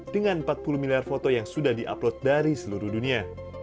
dengan empat puluh miliar foto yang sudah di upload dari seluruh dunia